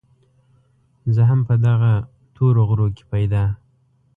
زه هم په دغه تورو غرو کې پيدا